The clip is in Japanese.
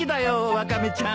ワカメちゃん。